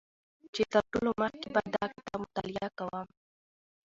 چې تر ټولو مخکې به دا کتاب مطالعه کوم